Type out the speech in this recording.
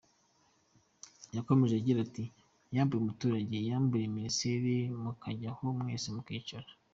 Yakomeje agira ati “Yambuye umuturage, yambuye minisiteri, mukajya aho mwese mukicara.